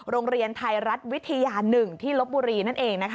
โรงเรียนไทยรัฐวิทยา๑ที่ลบบุรีนั่นเอง